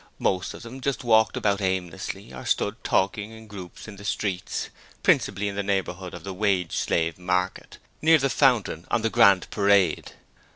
Most of them just walked about aimlessly or stood talking in groups in the streets, principally in the neighbourhood of the Wage Slave Market near the fountain on the Grand Parade.